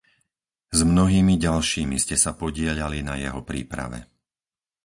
S mnohými ďalšími ste sa podieľali na jeho príprave.